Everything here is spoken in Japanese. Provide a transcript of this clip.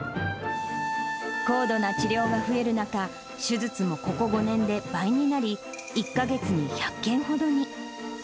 高度な治療が増える中、手術もここ５年で倍になり、１か月に１００件ほどに。